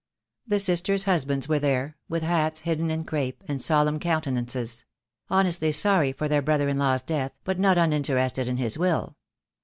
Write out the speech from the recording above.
The sisters' husbands were there, with hats hidden in crape, and solemn countenances; honestly sorry for their brother in law's death, but not uninterested in his will.